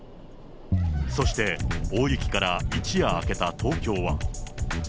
そして、大雪から一夜明けた東京は。